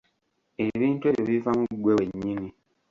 Ebintu ebyo biva mu ggwe wennyini .